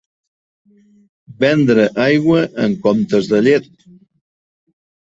Vendre aigua en comptes de llet.